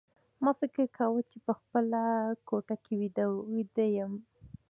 ما فکر کاوه چې په خپله کوټه کې ویده یم